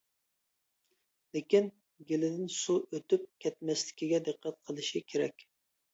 لېكىن گېلىدىن سۇ ئۆتۈپ كەتمەسلىكىگە دىققەت قىلىشى كېرەك.